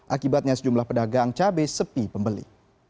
akibatnya sejumlah pedagang cabai sepi pembeli